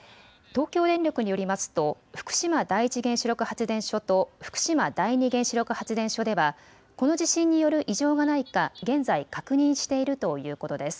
東京電力によりますと福島第一原子力発電所と福島第二原子力発電所ではこの地震による異常がないか現在、確認しているということです。